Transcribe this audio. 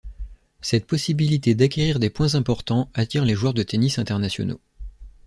Cette possibilité d'acquérir des points important attire les joueurs de tennis Internationaux.